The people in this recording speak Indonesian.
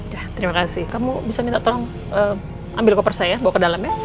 ya terima kasih kamu bisa minta tolong ambil koper saya bawa ke dalamnya